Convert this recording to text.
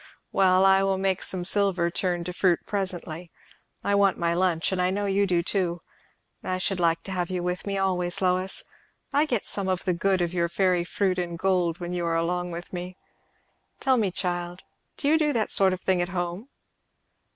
Well, I will make some silver turn to fruit presently. I want my lunch, and I know you do. I should like to have you with me always, Lois. I get some of the good of your fairy fruit and gold when you are along with me. Tell me, child, do you do that sort of thing at home?"